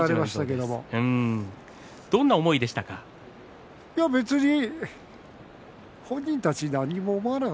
どんな思いでしたか。